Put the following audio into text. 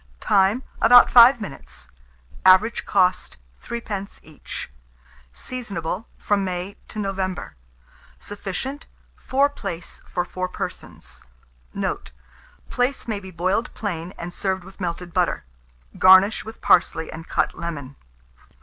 Time. About 5 minutes. Average cost, 3d. each. Seasonable from May to November. Sufficient, 4 plaice for 4 persons. Note. Plaice may be boiled plain, and served with melted butter. Garnish with parsley and cut lemon.